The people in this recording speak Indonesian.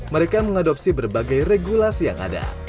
mereka mengadopsi berbagai regulasi yang ada